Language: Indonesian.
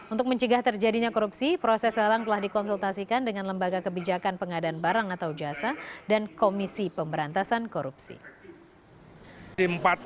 untuk mencegah terjadinya korupsi proses lelang telah dikonsultasikan dengan lembaga kebijakan pengadaan barang atau jasa dan komisi pemberantasan korupsi